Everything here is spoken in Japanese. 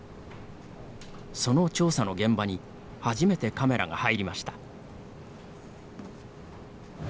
その調査の現場に初めてカメラが入りました。